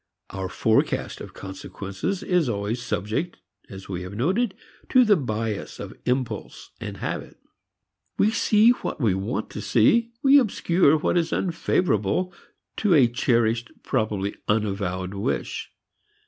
Our forecast of consequences is always subject, as we have noted, to the bias of impulse and habit. We see what we want to see, we obscure what is unfavorable to a cherished, probably unavowed, wish.